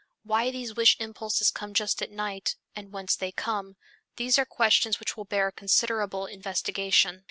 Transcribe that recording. Why these wish impulses come just at night, and whence they come these are questions which will bear considerable investigation.